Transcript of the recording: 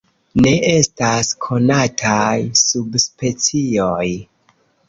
Ne estas konataj subspecioj.